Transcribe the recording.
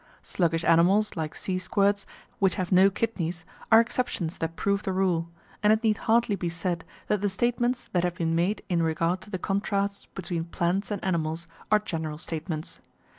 Sluggish animals like sea squirts which have no kidneys are exceptions that prove the rule, and it need hardly be said that the statements that have been made in regard to the contrasts between plants and animals are general statements.